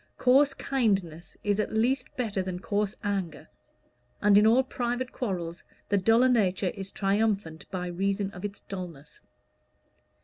Coarse kindness is at least better than coarse anger; and in all private quarrels the duller nature is triumphant by reason of its dullness.